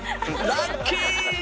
ラッキー！